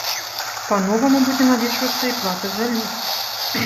Па-новаму будзе налічвацца і плата за ліфт.